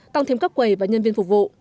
tăng thêm các quầy và nhân viên phục vụ